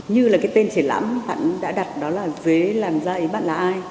như là cái tên trẻ lãm hẳn đã đặt đó là dế làm dây bạn là ai